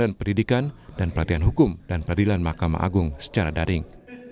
dan pendidikan dan pelatihan hukum dan pendidikan makam agung secara daring